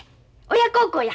親孝行や。